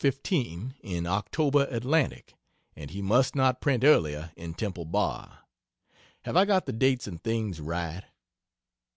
15, in October Atlantic, and he must not print earlier in Temple Bar. Have I got the dates and things right?